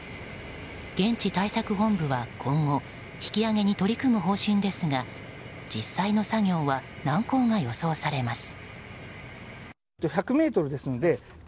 現地対策本部は今後引き上げに取り組む方針ですが実際の作業は難航が予想されます。